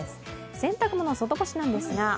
洗濯物、外干しなんですが。